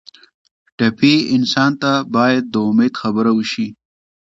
ټپي انسان ته باید د امید خبره وشي.